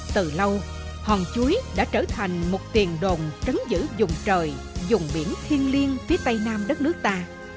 từ lâu hòn chuối đã trở thành một tiền đồn trấn giữ dùng trời dùng biển thiên liên phía tây nam đất nước ta